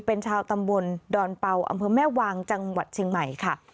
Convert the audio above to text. เป็นชาวตำบลดอนเป่าอำเภอแม่วางจังหวัดเชียงใหม่ค่ะ